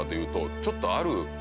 ちょっとある。